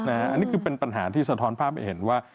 อันนี้คือเป็นปัญหาที่สะท้อนภาพให้เห็นว่า